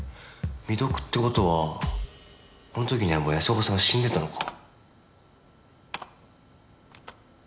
未読って事はこの時にはもう安岡さんは死んでたのか。